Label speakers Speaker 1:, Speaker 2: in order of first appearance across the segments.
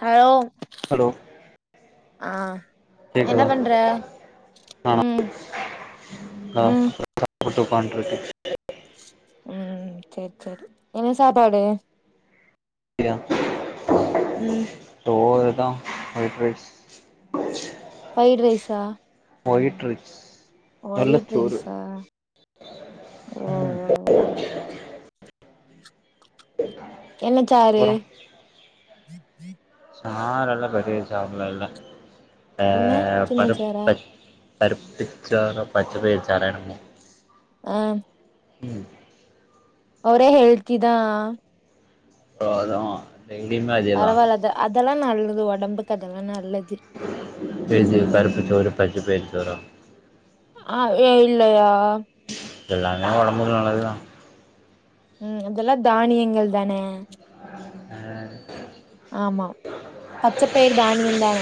Speaker 1: hello
Speaker 2: hello
Speaker 1: ஆ என்ன
Speaker 2: கேக்குதா
Speaker 1: பண்ற ம்
Speaker 2: அ
Speaker 1: ம்
Speaker 2: [inaudible] போட்டு உக்காண்ட்ருக்கு
Speaker 1: ம் செரி செரி என்ன சாப்பாடு
Speaker 2: கிதா
Speaker 1: ம்
Speaker 2: சோறுதா வையிட்ரைஸ்
Speaker 1: ஃப்ரைட் ரைஸா
Speaker 2: ஒயிட் ரைஸ் வெள்ளச்சோறு
Speaker 1: ஒயிட்ரைசா ஓ ஓ
Speaker 2: ஓக்கே
Speaker 1: ஓ
Speaker 2: ஓகே [inaudible]
Speaker 1: என்னச்சாரு
Speaker 2: அப்பறோ சாறுலா பெரிய சாறுலா இல்ல அ
Speaker 1: என்ன சின்ன
Speaker 2: பருப்
Speaker 1: சாரா
Speaker 2: பச் பருப்புச்சாறோ பச்சபயிறு சாறோ என்னமோ
Speaker 1: அ
Speaker 2: ம்
Speaker 1: ஒரே ஹெல்த்திதா
Speaker 2: ஓ அது டெய்லியுமே அது
Speaker 1: பரவால்லா அது அதெல்லா நல்லது உடம்புக்கு அதெல்லா நல்லது
Speaker 2: சேரி சேரி பருப்புச்சோறு பச்சப்பயிறு சோறோ
Speaker 1: ஆ ஏ இல்லையா
Speaker 2: எல்லாமே ஒடம்புக்கு நல்லதுதா
Speaker 1: ம் இதெல்லா தானியங்கள் தான
Speaker 2: உஹம்
Speaker 1: ஆமா பச்சைப்பயர் தானியந்தான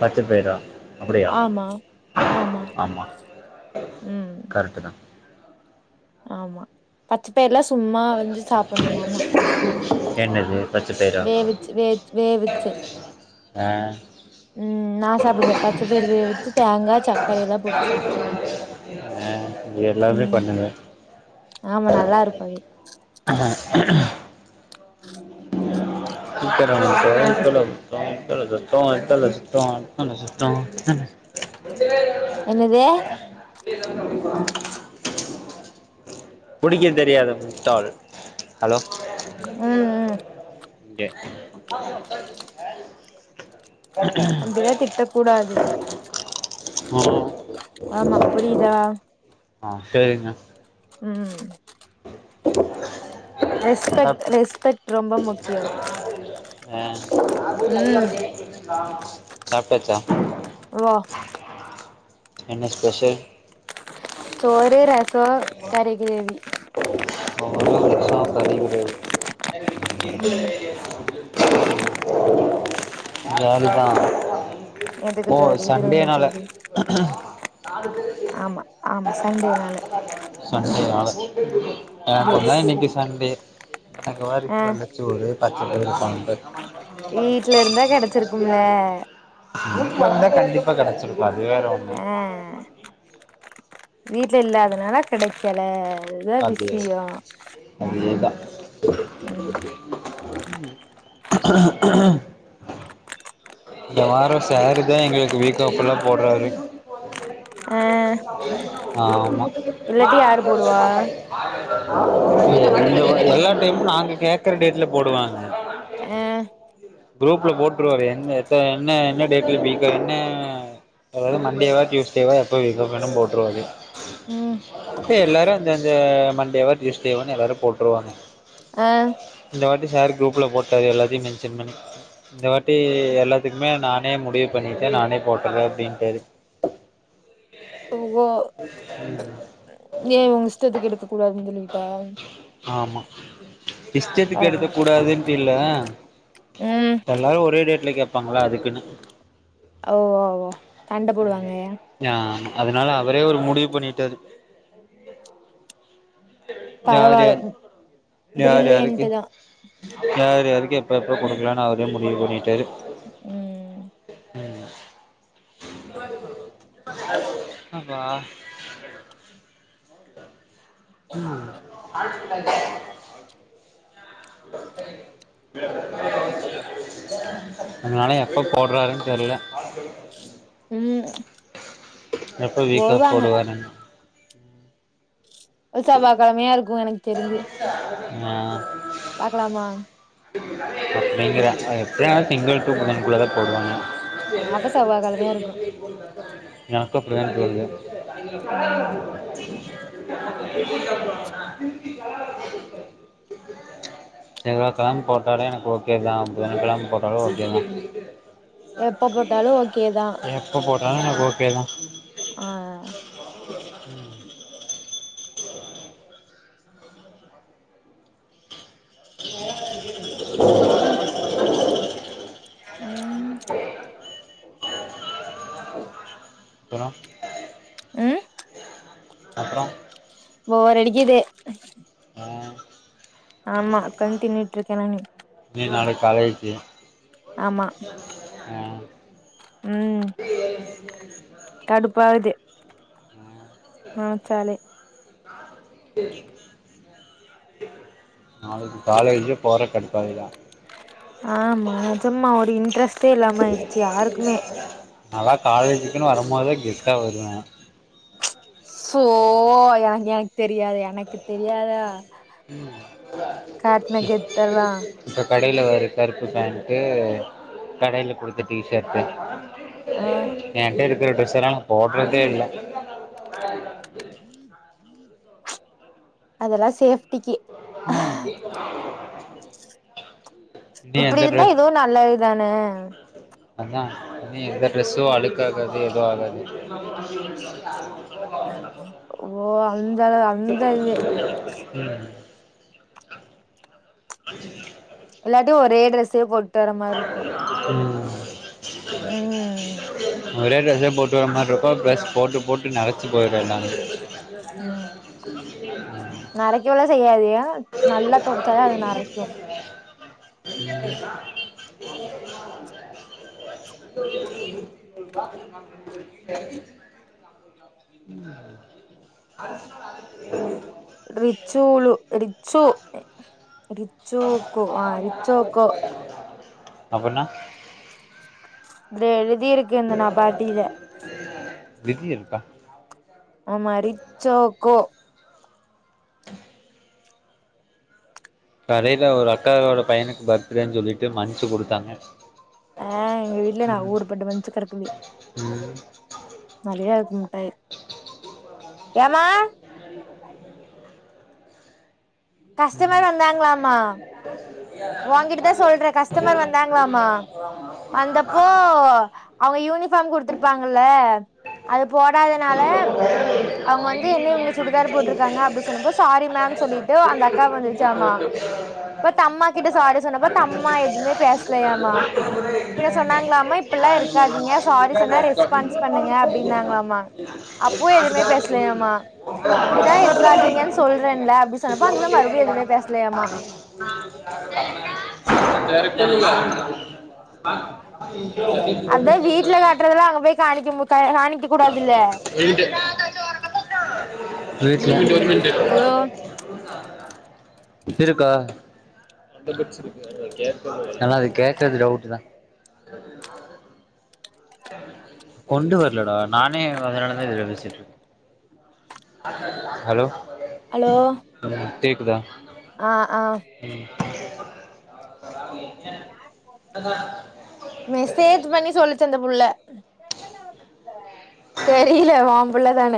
Speaker 2: பச்ச பயிறா அப்டியா
Speaker 1: ஆமா
Speaker 2: ஆமா
Speaker 1: ம்
Speaker 2: கரெக்டு தா
Speaker 1: ஆமா பச்ச பயிர்லா சும்மா வந்து சாப்பிட்ணுமாமா
Speaker 2: என்னது பச்சப்பயிறா
Speaker 1: வேவச்சு வேச் வேவச்சு
Speaker 2: அ
Speaker 1: ம் நா சாப்பிடுவே பச்ச பயிறு வேவச்சு தேங்கா சக்கர எல்லா போட்டு சாப்பிடுவே
Speaker 2: அ எல்லாமே பண்ணுங்க
Speaker 1: ஆமா நல்லா இருக்கோ அது
Speaker 2: ஆான் உம் இத்தல குத்தோ இத்தல குத்தோ இத்தல சத்தோ இத்தல சத்தோ இத்தல சத்தோ
Speaker 1: என்னது
Speaker 2: அஹ ்சடி புடிக்க தெரியாத முட்டாள் ஹலோ
Speaker 1: ம் ம்
Speaker 2: ஓகே
Speaker 1: அப்டிதா திட்டக்க கூடாது ஆமா புரிதா
Speaker 2: ஆ சேரிங்க
Speaker 1: ம்
Speaker 2: ச
Speaker 1: ரெஸ்பெக்ட் ரெஸ்பெக்ட் ரொம்ப முக்கியோ
Speaker 2: ஆ
Speaker 1: ம்
Speaker 2: சாப்ட்டாச்சா
Speaker 1: ஓ
Speaker 2: என்ன ஸ்பெஷல்
Speaker 1: சோறு ரச கறி கிரேவி
Speaker 2: சோறு ரச கறி கிரேவி
Speaker 1: ம்
Speaker 2: ஜாலி தா
Speaker 1: எதுக்கு
Speaker 2: ஓ
Speaker 1: ஜோலி இதுல என்ன
Speaker 2: சண்டேனால
Speaker 1: ஜோலி ஆமா ஆமா சண்டேனால
Speaker 2: சண்டேனால எனக்குதா
Speaker 1: எஸ்
Speaker 2: இன்னிக்கு சண்டே எனக்கு பாரு
Speaker 1: ஆ
Speaker 2: வெள்ள சோறு பத்து பேருக்கு [unintelligible]
Speaker 1: வீட்ல இருந்தா கெடச்சிருக்கும்ல
Speaker 2: வீட்டுல இருந்தா கண்டிப்பா கிடைச்சிருக்கும் அது வேற ஒண்ணு
Speaker 1: ஆ வீட்டுல இல்லாதனால கிடைக்கல அதுதா விஷய
Speaker 2: அதேதா
Speaker 1: ம்
Speaker 2: இந்த வார சாரு தா எங்களுக்கு வீக் ஆஃப்ல்லா போடுறாரு
Speaker 1: ஆ
Speaker 2: ஆமா
Speaker 1: இல்லாட்டி யாரு போடுவா
Speaker 2: எல்லா டைமும் நாங்க கேட்க்குற டேட்ல போடுவாங்க
Speaker 1: ஆ
Speaker 2: குரூப்ல போட்டுருவாரு எந்த எத்த என்ன என்ன டேட்ல பீக்கா என்ன அதாவது மண்டேவா டடியூஸ்டேவா எப்ப வீக் ஆஃப்ன்னு போட்டுருவாரு
Speaker 1: ம்
Speaker 2: எல்லாரு அந்த அந்த மண்டேவோ டியூஸ்டேவோு எல்லாரு போட்டுருவாங்க
Speaker 1: ஆ
Speaker 2: இந்த வாட்டி சார் குரூப்ல போட்டாரு எல்லாத்தயு மென்ஷன் பண்ணி இந்த வாட்டி எல்லாத்துக்குமே நானே முடிவு பண்ணிட்ட நானே போட்டுற அப்படின்ட்டாரு
Speaker 1: ஓ ஏய உங்க இஷ்டத்துக்கு எடுக்க கூடாதுன்னு சொல்லிட்டா
Speaker 2: ஆமா இஸ்ட்டத்துக்கு
Speaker 1: பரவா
Speaker 2: எடுக்க கூடாதுன்ட்டு இல்ல
Speaker 1: ம்
Speaker 2: எல்லாரு ஒரே டேட்ல கேப் பப்பாங்கள அதுக்குனு
Speaker 1: ஓ வோ வ சண்ட போடுவாங்க
Speaker 2: ஆமா அதனால அவரே ஒரு முடிவு பண்ணிட்டாரு யாரு
Speaker 1: பரவால்ல
Speaker 2: யாரு
Speaker 1: பிரில்லியன்ட்
Speaker 2: யாருக்கு
Speaker 1: தா
Speaker 2: யார் யாருக்கு எப்ப எப்ப குடுக்கலாம்னு அவரே முடிவு பண்ணிட்டாரு
Speaker 1: ம்
Speaker 2: ம் அப்பா ம்ம் அதுனால எப்ப போடுறாருன் தெர்ல்ல ஆ [inaudible]
Speaker 1: ம்
Speaker 2: எப்ப வீக் ஆஃப்
Speaker 1: போடுவாங்க
Speaker 2: போடுவாரு
Speaker 1: செவ்வா கெழமையா இருக்கும் எனக்கு தெரிஞ்சு
Speaker 2: அ
Speaker 1: பாக்கலாமா
Speaker 2: அப்டிங்ற எப்டியு திங்கள் டூ புதன் குள்ளதா போடுவாங்க
Speaker 1: அப்ப செவ்வா கெழமையா இருக்கு
Speaker 2: எனக்கும் அப்டிதா இன்னைக்கு வருது
Speaker 1: ம்
Speaker 2: செவ்வா கெழம போட்டாலும் எனக்கு ஓகே புதன் கெழம் போட்டாலு ஓகே தான்
Speaker 1: எப்ப போட்டாலு ஓகே தா
Speaker 2: எப்ப போட்டாலு எனக்கு ஓகே தா
Speaker 1: ஆ அம்மே ம்
Speaker 2: அப்பறோ
Speaker 1: ம்
Speaker 2: அப்பறோம்
Speaker 1: போர் அடிக்குது
Speaker 2: ஆ
Speaker 1: ஆமா உக்காந்து தின்னுட்டு இருக்கே நானு
Speaker 2: நீ நாளைக்கு காலேஜி
Speaker 1: ஆமா
Speaker 2: அ
Speaker 1: ம் கடுப்பாவுது நெனச்சாலே
Speaker 2: நாளைக்கு காலேஜ் போற கடுப்பாகுதா
Speaker 1: ஆமா நெஜமா ஒரு இன்ட்ரெஸ்ட்டே இல்லாம ஆயிருச்சு யாருக்குமே
Speaker 2: நால்லா காலேஜுக்குனு வரும்போதே கெத்தா வருவேன்
Speaker 1: சோ எனக் எனக் தெரியாது எனக்கு தெரியாதா காட்ன கெத்தலா
Speaker 2: இப்போ கடையில ஒரு கருப்பு பேண்ட்டு கடையில குடுத்த டீஷர்ட்டு
Speaker 1: ஆ
Speaker 2: என்ட்ட இருக்கிற டிரஸ்ல்லாம் போடுறதே இல்ல
Speaker 1: அதெல்லாம் சேஃப்டிக்கு
Speaker 2: ம் இன்னும் எந்த டிரஸ்
Speaker 1: நல்லதுதானே
Speaker 2: அதான் இன்னு எந்த ட்ரெஸ்ஸும் அழக்கு ஆகாது ஏதும் ஆகாது
Speaker 1: ஓ அந்த அந்த இது
Speaker 2: ம்
Speaker 1: இல்லாட்டியும் ஒரே டிரஸ்ஸையும் போட்டு வர மாதிரி இருக்கும்
Speaker 2: ம்
Speaker 1: ம்
Speaker 2: ஒரே ட்ரெஸ்ஸே போட்டு வர்ற மார்ருக்கு ட்ரெஸ் போட்டு போட்டு நரச்சி போயிடு எல்லாமே
Speaker 1: ஓ
Speaker 2: ஆ
Speaker 1: நரைக்கவெலா செய்யாதயா நல்லா தொவச்சாதா அது நரைக்கு
Speaker 2: இருத்திூறு ரூபா ம்
Speaker 1: ரிச்சூலு ரிச்சு ரிச்சோக்கோ ஆ ரிச்சோக்கோ
Speaker 2: அப்பனா
Speaker 1: இதுல எழுதிருக்
Speaker 2: விதி இருக்கா
Speaker 1: ஆமா ரிச்சோக்கோ
Speaker 2: கடைல ஒரு அக்காவோட பையனுக்கு பர்த்டேன் சொல்லிட்டு மன்ச்சு குடுத்தாங்க
Speaker 1: ஆ எங்க வீட்லயே நா ஊருப்பட்ட மன்ச்சு கடக்குது
Speaker 2: ம்
Speaker 1: நறையா இருக்கு முட்டாய் கஸ்டமர் வந்தாங்களாமா வாங்கிட்டு தான் சொல்றேன் கஸ்டமர் வந்தாங்களாமா வந்தப்போ அவங்க யூனிபார்ம் குடுத்துருப்பாங்கல அது போடாதனால அவங்க வந்து என்ன இவுங்க சுடிதார் போட்ருக்காங்க அப்படின்னு சொன்னும்போது சாரி மேம் சொல்லி அந்த அக்கா வந்துச்சாமா இப்ப தம்மா கிட்ட சாரி சொன்னப்ப தம்மா எதுமே பேச லயாமா பின்ன சொன்னாங்களாமா இப்பல்லா இருக்காதிங்க சாரி சொன்னா ரெஸ்பான்ஸ் பண்ணுங்க அப்படினா ங்ளாமா அப்போ எதுமே பேசலயாமா இப்படிதா இருக்காதிங்கன் சொல்றேன்ல அப்டி சொன்னப்ப அந்தம்மா மறுபடி எதுமே பேசலயாமா
Speaker 2: வேறக்கல்ல
Speaker 1: அதா வீட்ல காட்றதெல்லா அங்க போய் காணிக்க மு காணிக்க கூடாதுல்ல
Speaker 2: வீடு
Speaker 1: ம்
Speaker 2: வீட்ல
Speaker 1: ஹலோ
Speaker 2: இருக்கா ஆனா அது கேக்கறது டவுட்டுதா கொண்டு வரலடா நானே அதனாலதா இதுல பேசிட்ருக்க ஹலோ
Speaker 1: அலோ
Speaker 2: ம் கேக்குதா
Speaker 1: ஆ ஆ
Speaker 2: ம்
Speaker 1: மெசேஜ் பண்ணி சொல்லிச்சு அந்த புள்ள தெரில ஒம்புள்ளதான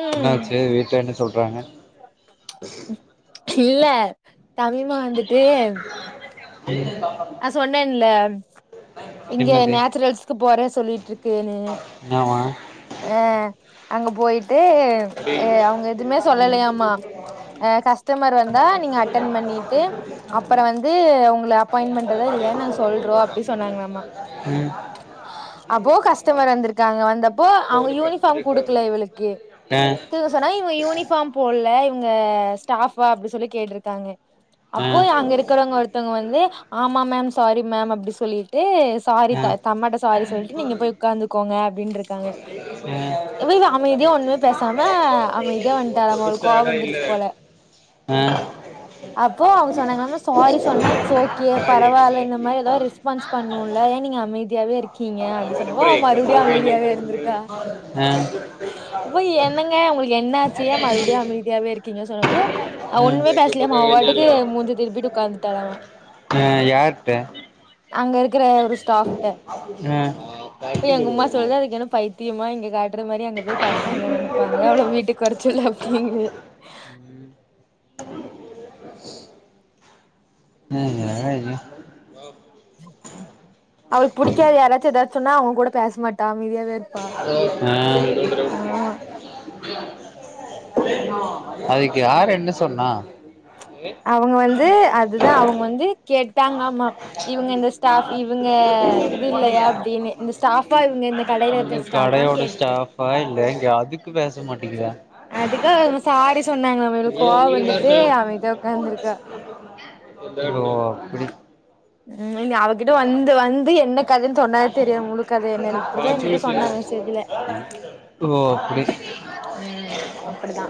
Speaker 1: ம்
Speaker 2: என்னாச்சு வீட்ல என்ன சொல்றாங்க
Speaker 1: இல்ல தமிமா வந்துட்டு
Speaker 2: ம்,
Speaker 1: ந சொன்னேன்ல இங்க
Speaker 2: என்னது
Speaker 1: நேச்சுரல்ஸ்க்கு போறே சொல்லிட்ரு க்குனு
Speaker 2: என்னவா
Speaker 1: அ அங்க போயிட்டு அ அவங்க எதுமே சொல்லலையாமா கஸ்டமர் வந்தா நீங்க அட்டன் பண்ணிட்டு அப்பற வந்து உங்கள அப்பாயின் கேன் பன்றத இல்லயானு நாங்க சொல்றோ அப்டி சொன்னங்கலாமா
Speaker 2: ம்
Speaker 1: அப்போ கஸ்டமர் வந்துருக் காங்க வந்தப்போ அவங்க யூனிஃபார்ம் குடுக்கல இவளுக்கு
Speaker 2: ஆ
Speaker 1: உங்க சொன்னா இவங்க யூனிஃபார்ம் போடல இவங்க ஸ்டாஃபா அப்ப்டனு சொல்லி கேட்டிருக்காங்க
Speaker 2: ஆ
Speaker 1: அப்போ அங்க இருக்கறவங்க ஒருத்தவங்க வந்து ஆமா மேம் சாரி மேம் அப்டி சொல்லிட்டு சாரி
Speaker 2: ஆ
Speaker 1: த தம்மட சாரி சொல்ட்டு நீங்க போய் உட்காந்துக்கோங்க அப்படின்ருக்காங்க
Speaker 2: ஆ
Speaker 1: இவா இவா அமைதியா ஒண்ணுமே பேசாம அமைதியா வந்ட்டாராமா அவளுக் கோவ வந்துருச்சு போல
Speaker 2: ஆ
Speaker 1: அப்போ அவங்க சொன்னாங்காம சாரி சொன்னா இட்ஸ் ஓகே பரவால இந்த மாரி ஏதாது ரெஸ்பான்ஸ் பண்ணுல ஏ நீங்க அமைதியாவே இருக்கீங்க அப்படி சொன்ன
Speaker 2: ஆ
Speaker 1: அப்போ என்னங்க உங்களுக்கு என்ன ஆச்சு ஏ மறுபடியு அமைதியாவே இருக்கீங்கு சொன்னப்போ அவ
Speaker 2: ஆ
Speaker 1: ஒண்ணுமே பேசலயாமா அவபாட்டுக்கு மூஞ்ச திருப்பிட்டு உக்காந்துட்டலா
Speaker 2: ஆ யார்ட்ட
Speaker 1: அங்க இருக்கிற ஒரு ஸ்டாஃப்ட
Speaker 2: ஆ
Speaker 1: அப்ப எங்க உமா சொல்து அதுக்கு என்னமோ பைத்தி தியமா இங்க காட்டுற மாரி அங்க போய் காட்ன என்ன நனப்பாங்க அவ்வளோ வீட்டுக் வரச்சொல்லு அப்டிங்குது
Speaker 2: [unintelligible]
Speaker 1: அவளுக்கு புடிக்காது யாராச்சு எதாச்சு சொன்னா அவங்க கூட பேசமாட்டான் அமைதியாவே இருப்பா
Speaker 2: ஆ
Speaker 1: ஆமா
Speaker 2: அதுக்கு யரு என்ன சொன்னா
Speaker 1: அவங்க வந்து அதுதான் அவங்க வந்து கேட்டாங்கமா இவங்க இந்த ஸ்டாப் இவங்க இது இல்லையா அப்டின்னு இந்த ஸ்டாபா இவங்க இந்த கடையில இருக்கிற ஸ்டாபான்னு கேட்ட
Speaker 2: பயங்க இங்க அதுக்கு பேச மாட்டேங்க
Speaker 1: அதுக்கு சாரி சொன்னாங்களமா இவுலுக்கு கோவ வந்துட்டு அமைதியா உக்காந்துருக்கா
Speaker 2: ஓ ஆப்டி
Speaker 1: உம் நீங்க அவ கிட்ட வந்து வந்து என்ன கதன்னு சொன்ன தெரியு முழு கத என்னன்னு இப்படிதான் எங்க்கிட்ட
Speaker 2: அப்டி
Speaker 1: சொன்னா மேசேஜல
Speaker 2: ஓ அப்டி ஸ்
Speaker 1: ம் அப்புடிதா